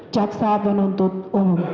caksa penuntut umum